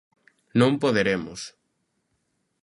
Non poderemos.